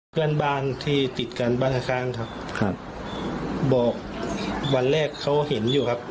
เพื่อนบ้านที่ติดกันบ้านข้างข้างครับครับบอกวันแรกเขาเห็นอยู่ครับ